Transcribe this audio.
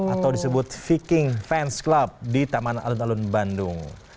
atau disebut viking fans club di taman alun alun bandung